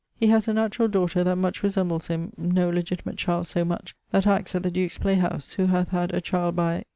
He has a naturall daughter that much resembles him, no legitimate child so much, that acts at the Duke's play house, who hath had a child by